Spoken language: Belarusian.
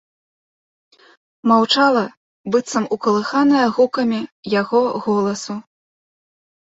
Маўчала, быццам укалыханая гукамі яго голасу.